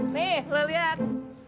nih lu lihat